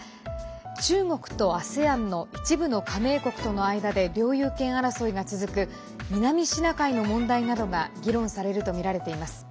中国と、ＡＳＥＡＮの一部の加盟国との間で領有権争いが続く南シナ海の問題などが議論されるとみられています。